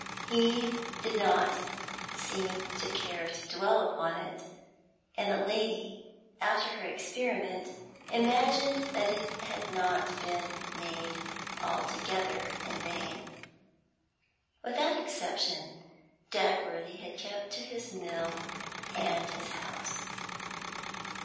He did not seem to care to dwell upon it, and the lady, after her experiment, imagined that it had not been made altogether in vain. With that exception Dagworthy had kept to his mill and his house.